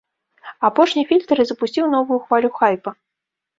Апошні фільтр і запусціў новую хвалю хайпа.